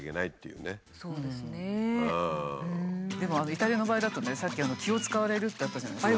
でもイタリアの場合だとねさっき気を遣われるってあったじゃないですか。